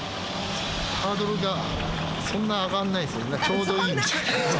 ハードルが、そんな上がんないんですよ、ちょうどいいみたいな。